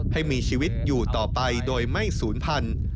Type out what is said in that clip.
ให้มีชีวิตอยู่ต่อไปโดยไม่ศูนย์พันธุ์